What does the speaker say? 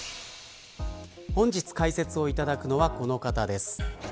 本日、解説をいただくのはこの方です。